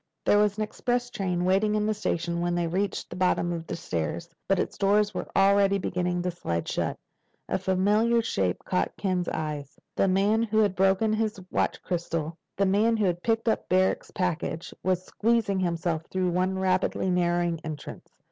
There was an express train waiting in the station when they reached the bottom of the stairs, but its doors were already beginning to slide shut. A familiar shape caught Ken's eye. The man who had broken his watch crystal—the man who had picked up Barrack's package—was squeezing himself through one rapidly narrowing entrance.